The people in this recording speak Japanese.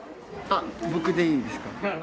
あっ僕でいいですか？